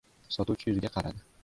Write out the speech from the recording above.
Sotuvchi yuziga qaradi.